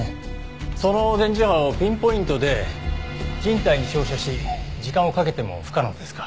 その電磁波をピンポイントで人体に照射し時間をかけても不可能ですか？